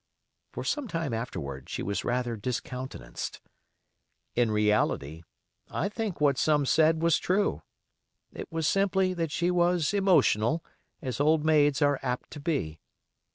For some time afterward she was rather discountenanced. In reality, I think what some said was true: it was simply that she was emotional, as old maids are apt to be.